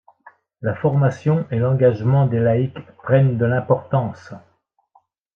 La formation et l’engagement des laïcs prennent de l’importance.